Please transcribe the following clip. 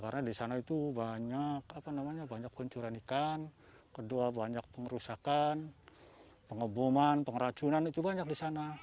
karena di sana itu banyak apa namanya banyak pencurian ikan kedua banyak pengerusakan pengebuman pengeracunan itu banyak di sana